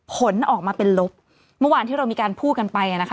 ผลออกมาเป็นลบเมื่อวานที่เรามีการพูดกันไปอ่ะนะคะ